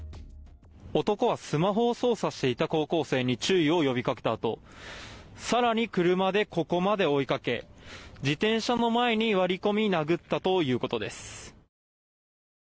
男はスマホを操作していた男子高校生に注意を呼び掛けたあと更に車でここまで追いかけ自転車の前に割り込み殴ったということです。